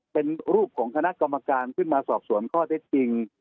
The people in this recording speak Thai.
เป็นรูปของคณะกรรมการขึ้นมาสอบสวนข้อเท็จจริง